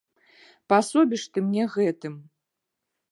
Пасобіш ты мне гэтым!